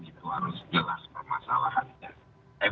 itu harus jelas permasalahan